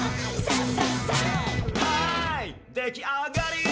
「はいできあがり！」